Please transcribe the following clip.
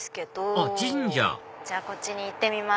あっ神社じゃあこっちに行ってみます。